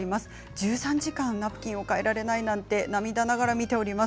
１３時間ナプキンを替えられないなんて、涙ながら見ております。